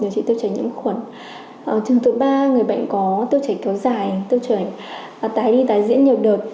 trường hợp thứ ba là người bệnh có tiêu chảy kéo dài tiêu chảy tái đi tái diễn nhiều đợt